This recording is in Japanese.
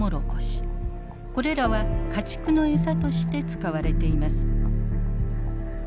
これらは家畜のエサとして使われています。